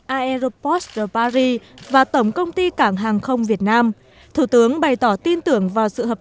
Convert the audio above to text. aeropost paris và tổng công ty cảng hàng không việt nam thủ tướng bày tỏ tin tưởng vào sự hợp